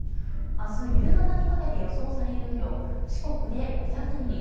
明日夕方にかけて予想される雨量四国で５００ミリ